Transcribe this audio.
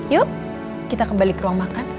yuk kita kembali ke ruang makan